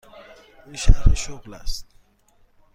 این شرح شغل است.